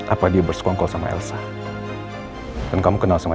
apa dia berskongkol sama elsa